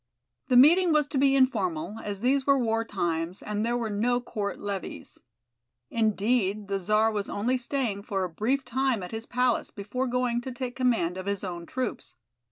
The meeting was to be informal, as these were war times and there were no court levees. Indeed, the Czar was only staying for a brief time at his palace before going to take command of his own troops.